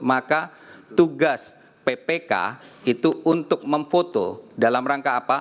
maka tugas ppk itu untuk memfoto dalam rangka apa